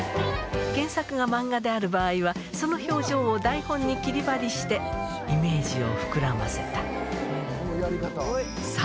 原作が漫画である場合は、その表情を台本に切り貼りしてイメージを膨らませた。